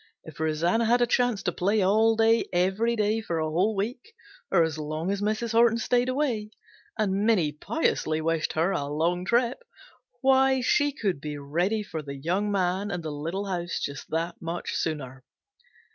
If Rosanna had a chance to play all day every day for a whole week, or as long as Mrs. Horton stayed away and Minnie piously wished her a long trip why, she could be ready for the young man and the little house just that much sooner.